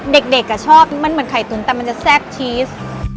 เด็กชอบมันเหมือนไข่ตุ๋นแต่มันจะแซ่บชีส